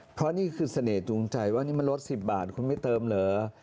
เพราะนี่คือเสน่หจูงใจว่านี่มันลด๑๐บาทคุณไม่เติมเหรอ